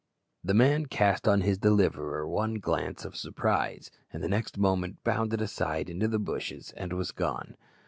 The man cast on his deliverer one glance of surprise, and the next moment bounded aside into the bushes and was gone.